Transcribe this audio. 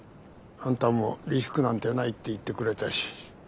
あんたもリスクなんてないって言ってくれたし。